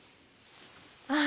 ああ！